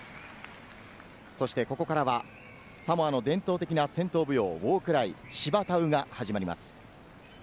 ここからはサモアの伝統的な戦闘舞踊ウォークライ、シヴァタウが始まります。